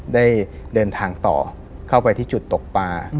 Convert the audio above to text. ได้เดินทางต่อเข้าไปที่จุดตกปลา